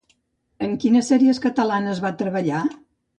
En quines sèries catalanes va treballar?